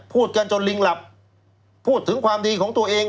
พูดกันจนลิงหลับพูดถึงความดีของตัวเอง